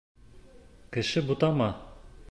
Кеше бутама!